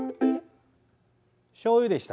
しょうゆでした。